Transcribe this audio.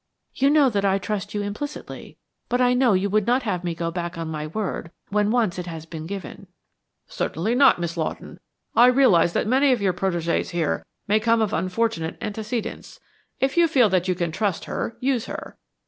You know that I trust you implicitly, but I know you would not have me go back on my word when once it has been given." "Certainly not, Miss Lawton. I realize that many of your protégées here may come of unfortunate antecedents. If you feel that you can trust her, use her.